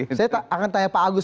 oke saya akan tanya pak agus